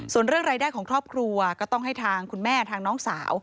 ส่วนเรื่องรายได้ของครอบครัวก็ต้องให้ทางคุณแม่ทางน้องสาว